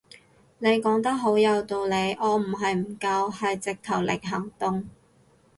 你講得好有道理，我唔係唔夠係直頭零行動